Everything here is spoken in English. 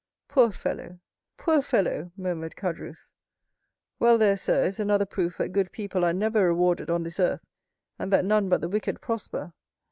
"Poor fellow, poor fellow!" murmured Caderousse. "Well, there, sir, is another proof that good people are never rewarded on this earth, and that none but the wicked prosper.